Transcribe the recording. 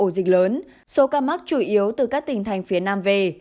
dịch lớn số ca mắc chủ yếu từ các tỉnh thành phía nam về